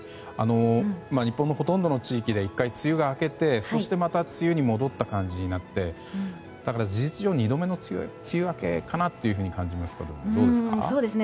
日本のほとんどの地域で１回梅雨が明けてそしてまた梅雨に戻った感じになってだから事実上２度目の梅雨明けかなと感じますけど、どうですか？